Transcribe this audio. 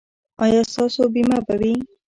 ایا ستاسو بیمه به وي؟